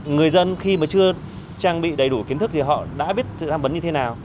người dân khi mà chưa trang bị đầy đủ kiến thức thì họ đã biết sự tham vấn như thế nào